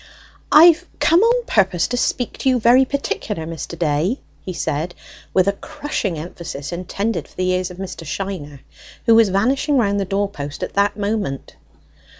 "I've come on purpose to speak to you very particular, Mr. Day," he said, with a crushing emphasis intended for the ears of Mr. Shiner, who was vanishing round the door post at that moment.